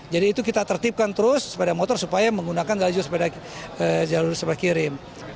jadi itu kita tertipkan terus sepeda motor supaya menggunakan jalur sepeda kirim